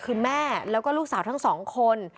คือแม่แล้วก็ลูกสาวทั้งสองคน